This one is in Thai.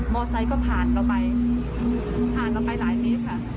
ไซค์ก็ผ่านเราไปผ่านเราไปหลายเมตรค่ะ